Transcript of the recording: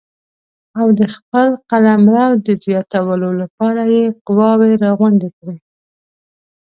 او د خپل قلمرو د زیاتولو لپاره یې قواوې راغونډې کړې.